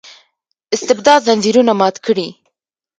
استبداد ځنځیرونه مات کړي.